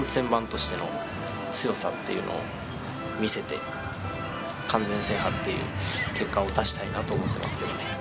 ４０００番としての強さというのを見せて完全制覇という結果を出したいなと思っていますけど。